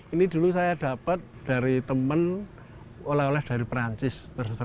ini dulu saya dapat dari teman oleh oleh dari perancis